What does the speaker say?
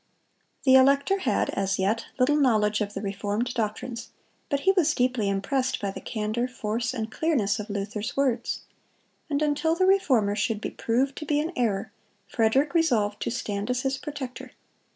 The elector had, as yet, little knowledge of the reformed doctrines, but he was deeply impressed by the candor, force, and clearness of Luther's words; and until the Reformer should be proved to be in error, Frederick resolved to stand as his protector.